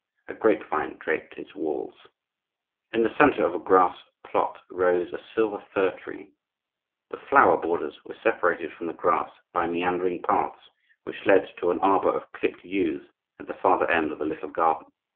A grape vine draped its walls. In the centre of a grass plot rose a silver fir tree. The flower borders were separated from the grass by meandering paths which led to an arbor of clipped yews at the farther end of the little garden.